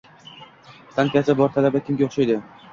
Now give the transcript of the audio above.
- Tankasi bor talaba kimga oʻxshaydi?